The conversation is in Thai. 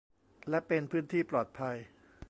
และเป็นพื้นที่ปลอดภัย